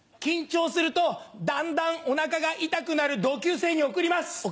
緊張するとだんだんお腹が痛くなる同級生に贈ります！